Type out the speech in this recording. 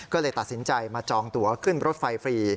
ก็เลยตัดสินใจมาจองตัวขึ้นรถไฟฟรี